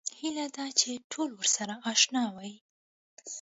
هیله دا ده چې ټول ورسره اشنا وي.